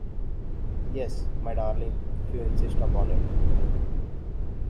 Yes, my darling, if you insist upon it!